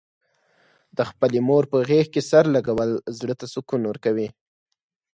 د خپلې مور په غېږه کې سر لږول، زړه ته سکون ورکوي.